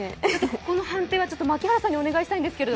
この判定は槙原さんにお願いしたいんですけど。